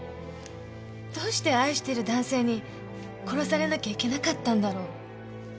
どうして愛してる男性に殺されなきゃいけなかったんだろう。